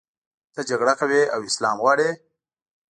ته جګړه کوې او اسلام غواړې.